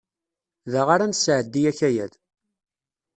Da ara nesɛeddi akayad.